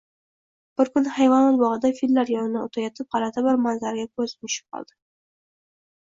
Bir kuni hayvonot bogʻida fillar yonidan oʻtayotib gʻalati bir manzaraga koʻzim tushib qoldi.